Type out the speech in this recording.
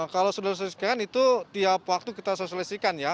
kalau sudah disosialisasikan itu tiap waktu kita sosialisasikan ya